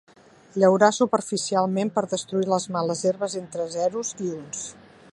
Llaurar superficialment per destruir les males herbes entre zeros i uns.